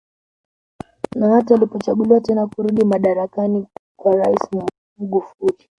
Na hata alipochaguliwa tena kurudi madarakani kwa rais Mgufuli